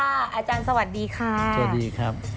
อาจารย์สวัสดีค่ะสวัสดีครับ